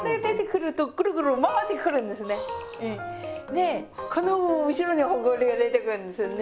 でこの後ろにほこりが出てくるんですよね。